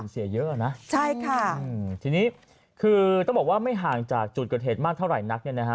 เสียเยอะนะใช่ค่ะทีนี้คือต้องบอกว่าไม่ห่างจากจุดเกิดเหตุมากเท่าไหร่นักเนี่ยนะฮะ